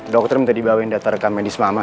dokter minta dibawain data rekam medis mama